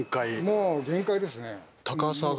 もう限界ですね。